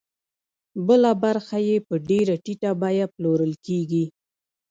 بله برخه یې په ډېره ټیټه بیه پلورل کېږي